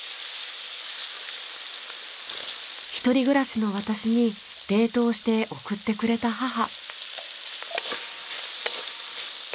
一人暮らしの私に冷凍して送ってくれた母。